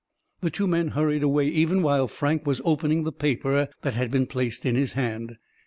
The two men hurried away even while Frank was opening the paper that had been placed in his hand.